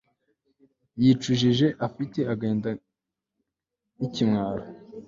yicujije afite agahinda n'ikimwaro